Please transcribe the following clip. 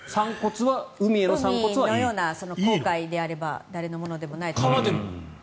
海のように公海であれば誰のものでもない。